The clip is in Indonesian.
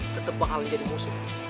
tetep bakalan jadi musuh